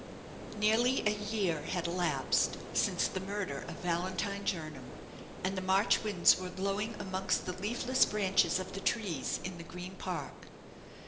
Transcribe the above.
Nearly a year had elapsed since the murder of Valentine Jernam, and the March winds were blowing amongst the leafless branches of the trees in the Green Park.